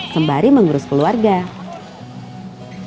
sembari memanfaatkan sampah yang diberi oleh tps tiga r